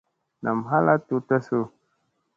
Nam hal a tutta su.